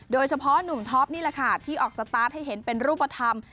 โดยเฉพาะหนุ่มท็อปนี่แหละค่ะที่ออกสตาร์ทให้เห็นเป็นรูปธรรม